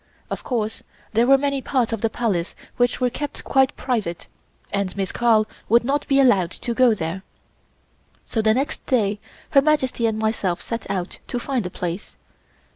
Of course there were many parts of the Palace which were kept quite private and Miss Carl would not be allowed to go there. So the next day Her Majesty and myself set out to find a place.